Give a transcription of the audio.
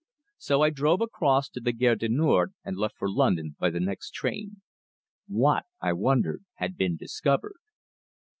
So I drove across to the Gare du Nord, and left for London by the next train. What, I wondered, had been discovered?